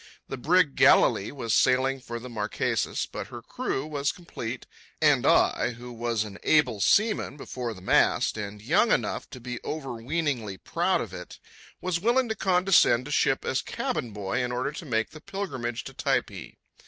The brig Galilee was sailing for the Marquesas, but her crew was complete and I, who was an able seaman before the mast and young enough to be overweeningly proud of it, was willing to condescend to ship as cabin boy in order to make the pilgrimage to Typee.